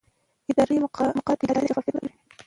اداري مقررات د ادارې د شفافیت سبب کېږي.